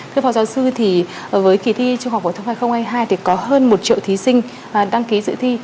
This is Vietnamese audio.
thưa phó giáo sư thì với kỳ thi trung học phổ thông hai nghìn hai mươi hai thì có hơn một triệu thí sinh đăng ký dự thi